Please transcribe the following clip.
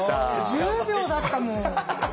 １０秒だったもん。